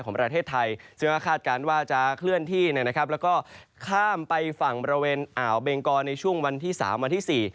ของประเทศไทยซึ่งก็คาดการณ์ว่าจะเคลื่อนที่นะครับแล้วก็ข้ามไปฝั่งบริเวณอ่าวเบงกอในช่วงวันที่๓วันที่๔